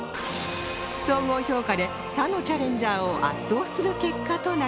総合評価で他のチャレンジャーを圧倒する結果となりました